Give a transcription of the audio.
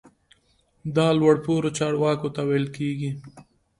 دا لوړ پوړو چارواکو ته لیکل کیږي.